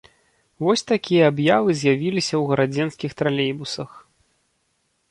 Вось такія аб'явы з'явіліся ў гарадзенскіх тралейбусах.